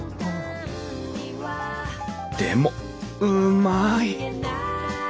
でもうまい！